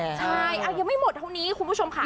อังงี้ยังไม่หมดเท่านี้คุณผู้ชมข้า